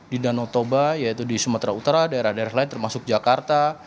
di danau toba yaitu di sumatera utara daerah daerah lain termasuk jakarta